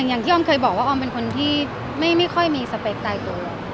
อย่างที่ออมเคยบอกว่าออมเป็นคนที่ไม่ค่อยมีสเปคตายตัว